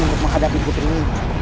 untuk menghadapi putrimu